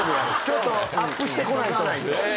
ちょっとアップしてこないと。